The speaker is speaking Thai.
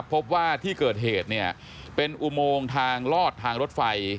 พบว่าที่เกิดเหตุเนี่ยเป็นอุโมงทางลอดทางรถไฟ